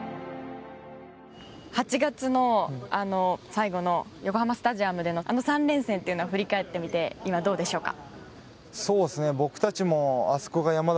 ８月の最後の横浜スタジアムでのあの３連戦を振り返ってみて今どうでしょうか。